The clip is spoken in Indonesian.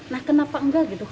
nah kenapa enggak gitu